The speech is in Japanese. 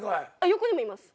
横にもいます。